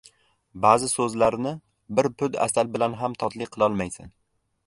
• Ba’zi so‘zlarni bir pud asal bilan ham totli qilolmaysan.